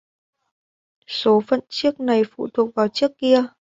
Số phận chiếc này phụ thuộc ở chiếc kia